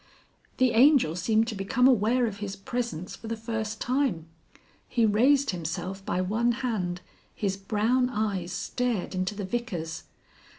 The Angel seemed to become aware of his presence for the first time. He raised himself by one hand, his brown eyes stared into the Vicar's.